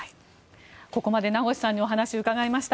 ここまで名越さんの話を伺いました。